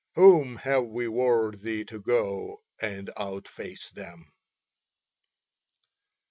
Whom have we worthy to go and outface them."